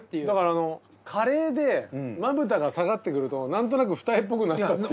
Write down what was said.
だから加齢でまぶたが下がってくるとなんとなく二重っぽくなった。